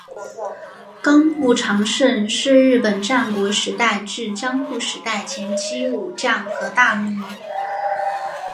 冈部长盛是日本战国时代至江户时代前期武将和大名。